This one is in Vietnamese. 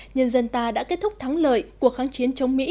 nhân dân ta đã kết thúc thắng lợi cuộc kháng chiến chống mỹ